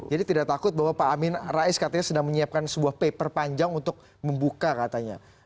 jadi tidak takut bahwa pak amin rais katanya sedang menyiapkan sebuah paper panjang untuk membuka katanya